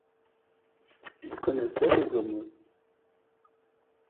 Il connaissait d’Aiglemont.